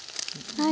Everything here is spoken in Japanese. はい。